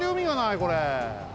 これ。